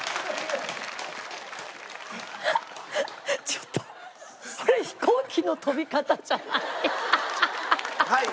ちょっとこれ飛行機の飛び方じゃない。